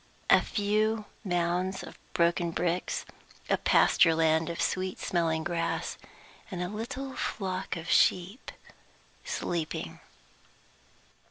A few mounds of broken bricks, a pasture land of sweet smelling grass, and a little flock of sheep sleeping.